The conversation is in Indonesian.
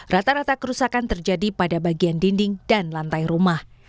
rata rata kerusakan terjadi pada bagian dinding dan lantai rumah